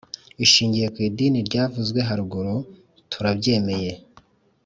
Ishingiye ku idini ryavuzwe haruguru turabyemeye